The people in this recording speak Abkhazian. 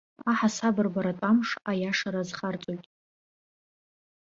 Аҳасабырбаратә амш, аиашара азхарҵоит.